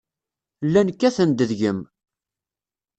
Llan kkaten-d deg-m.